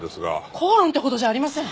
口論ってほどじゃありません。